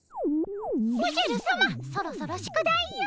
おじゃるさまそろそろ宿題を！